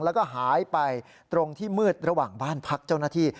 แล้วก็หายไปตรงที่มืดระหว่างบ้านพักเจ้าหน้าที่